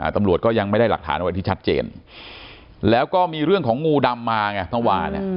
ตำรวจก็ยังไม่ได้หลักฐานอะไรที่ชัดเจนแล้วก็มีเรื่องของงูดำมาไงเมื่อวาน